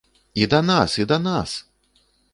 І да нас, да нас!